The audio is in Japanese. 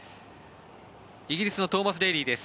イギリスのトーマス・デーリーです